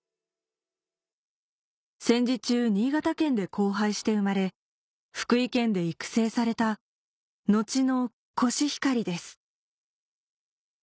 戦時中新潟県で交配して生まれ福井県で育成された後のコシヒカリです